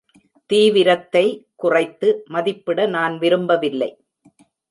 தீவிரத்தை குறைத்து மதிப்பிட நான் விரும்பவில்லை.